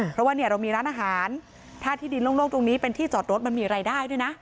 เพราะว่าเนี่ยเรามีร้านอาหารถ้าที่ดินโล่งตรงนี้เป็นที่จอดรถมันมีรายได้ด้วยนะ